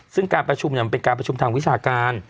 ซึ่งการประชุมมันเป็นการประชุมทางวิชาการ